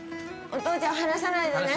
お父ちゃん離さないでね。